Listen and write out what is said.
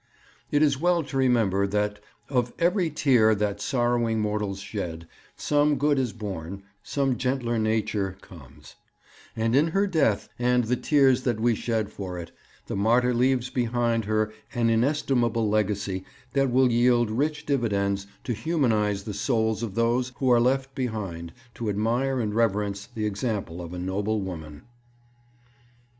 It is well to remember that 'of every tear that sorrowing mortals shed, some good is born, some gentler nature comes'; and in her death and the tears that we shed for it, the martyr leaves behind her an inestimable legacy that will yield rich dividends to humanize the souls of those who are left behind to admire and reverence the example of a noble woman.